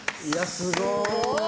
すごい！